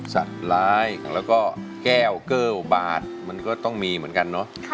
ร้ายแล้วก็แก้วเกิ้วบาทมันก็ต้องมีเหมือนกันเนอะ